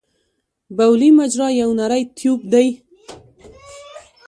بولي مجرا یو نری ټیوب دی.